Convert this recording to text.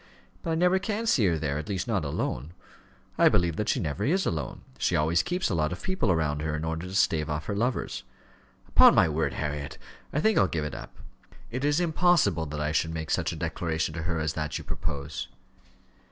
"But I never can see her there at least, not alone. I believe that she never is alone. She always keeps a lot of people round her in order to stave off her lovers. Upon my word, Harriet, I think I'll give it up. It is impossible that I should make such a declaration to her as that you propose."